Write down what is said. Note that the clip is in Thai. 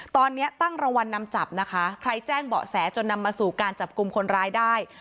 ตอนนี้ตั้งรางวัลนำจับนะคะใครแจ้งเบาะแสจนนำมาสู่การจับกลุ่มคนร้ายได้